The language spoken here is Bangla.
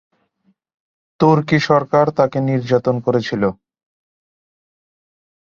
তুর্কি সরকার তাকে নির্যাতন করেছিল।